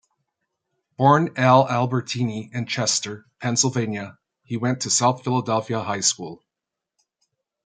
Born Al Albertini in Chester, Pennsylvania, he went to South Philadelphia High School.